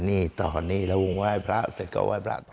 นี่ตอนนี้แล้ววงไหว้พระเสร็จก็ไหว้พระต่อ